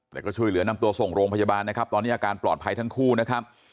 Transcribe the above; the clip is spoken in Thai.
แต่ก็ช่วยเหลือนำตัวส่งโรงพยาบาลนะครับตอนนี้อาการปลอดภัยทั้งคู่นะครับ